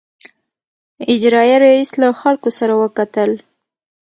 اجرائیه رییس له خلکو سره وکتل.